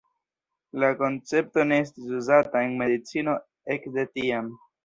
La koncepto ne estis uzata en medicino ekde tiam.